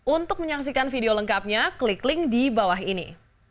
untuk menyaksikan video lengkapnya klik link di bawah ini